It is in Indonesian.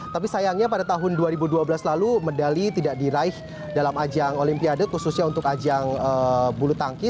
tapi sayangnya pada tahun dua ribu dua belas lalu medali tidak diraih dalam ajang olimpiade khususnya untuk ajang bulu tangki